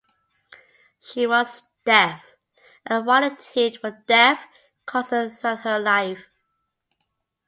She was deaf and volunteered for deaf causes throughout her life.